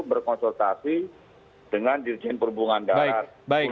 berkonsultasi dengan dirjen perhubungan darat